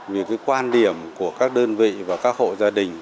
vì cái quan điểm của các đơn vị và các hộ gia đình